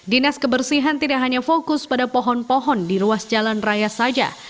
dinas kebersihan tidak hanya fokus pada pohon pohon di ruas jalan raya saja